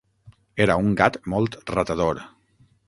Era un gat molt ratador.